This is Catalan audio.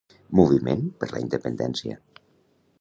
Moviment per la independència.